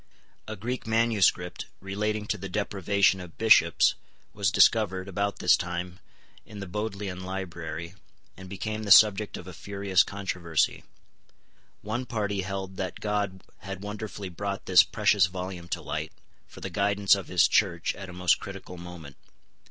A Greek manuscript, relating to the deprivation of bishops, was discovered, about this time, in the Bodleian Library, and became the subject of a furious controversy. One party held that God had wonderfully brought this precious volume to light, for the guidance of His Church at a most critical moment.